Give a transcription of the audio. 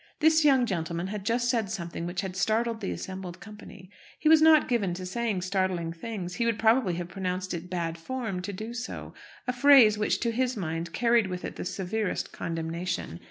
This young gentleman had just said something which had startled the assembled company. He was not given to saying startling things. He would probably have pronounced it "bad form" to do so: a phrase which, to his mind, carried with it the severest condemnation.